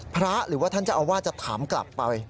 หรือว่าท่านเจ้าอาวาสจะถามกลับไป